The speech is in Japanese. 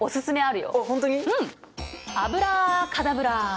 アブラカダブラ。